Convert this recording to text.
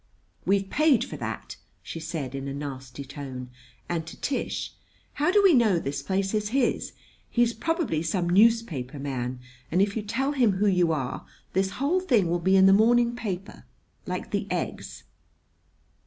"We've paid for that," she said in a nasty tone; and to Tish: "How do we know this place is his? He's probably some newspaper man, and if you tell him who you are this whole thing will be in the morning paper, like the eggs."